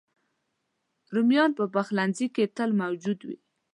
رومیان په پخلنځي کې تل موجود وي